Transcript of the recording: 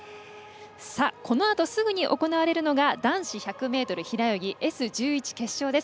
このあと、すぐに行われるのが男子１００ｍ平泳ぎＳ１１決勝です。